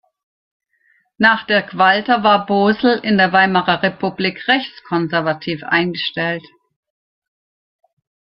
Nach Dirk Walter war Bosl in der Weimarer Republik rechtskonservativ eingestellt.